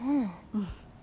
うん。